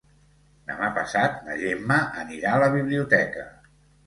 Demà passat na Gemma anirà a la biblioteca.